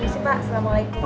terima kasih pak